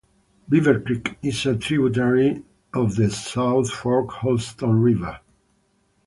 Beaver Creek is a tributary of the South Fork Holston River.